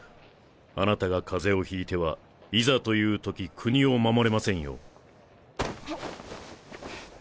あなたが風邪をひいてはいざというとき国を守れませんよ。